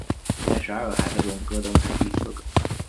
在十二个孩子中戈登是第四个。